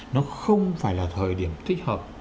nó không phải là thời điểm thích hợp